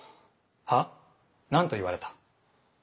は？何と言われた。